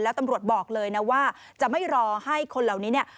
แล้วตำรวจบอกเลยนะว่าจะไม่รอให้คนเหล่านี้เนี่ย